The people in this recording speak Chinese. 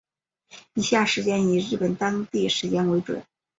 以下时间以日本当地时间为准